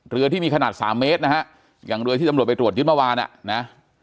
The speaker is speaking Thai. เรือที่มีขนาดสามเมตรนะฮะอย่างเรือที่ตำรวจไปตรวจยึดเมื่อวานอ่ะนะ